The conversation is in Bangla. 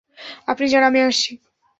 আপনি যান আমি আসছি।